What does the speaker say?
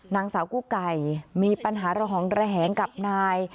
นางสาวกู้ไก่มีปัญหาระหองระแหงกับนาย